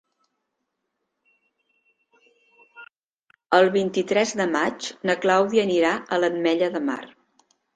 El vint-i-tres de maig na Clàudia anirà a l'Ametlla de Mar.